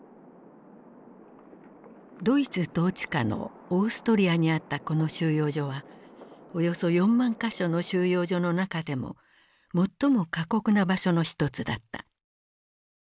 ドイツ統治下のオーストリアにあったこの収容所はおよそ４万か所の収容所の中でも最も過酷な場所の一つだった。